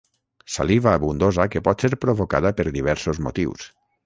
Saliva abundosa que pot ser provocada per diversos motius.